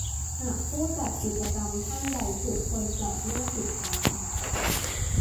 หากผู้จัดกิจกรรมท่านใดถูกคนแปลกหน้าติดตาม